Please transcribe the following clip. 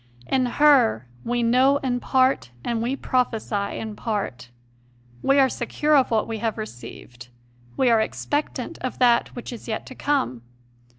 In her "we know in part, and we prophesy in part"; we are secure of what we have received, we are expectant of that which is yet to come.